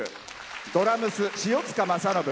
ドラムス、塩塚正信。